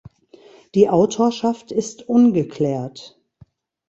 Die Autorschaft ist ungeklärt.